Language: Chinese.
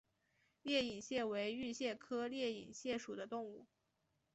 裂隐蟹为玉蟹科裂隐蟹属的动物。